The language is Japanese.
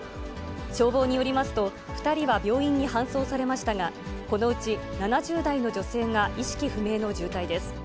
消防によりますと、２人は病院に搬送されましたが、このうち７０代の女性が意識不明の重体です。